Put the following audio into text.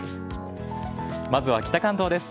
まずは北関東です。